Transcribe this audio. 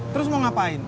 terus mau ngapain